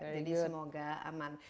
jadi semoga aman